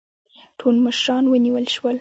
ټول مشران ونیول شول.